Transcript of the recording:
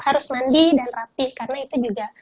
harus mandi dan rapih karena itu juga